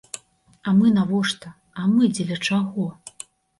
А мы навошта, а мы дзеля чаго?